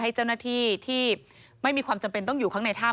ให้เจ้าหน้าที่ที่ไม่มีความจำเป็นต้องอยู่ข้างในถ้ำ